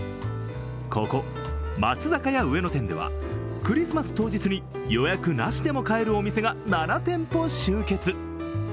ここ松坂屋上野店では、クリスマス当日に予約なしでも買えるお店が７店舗集結。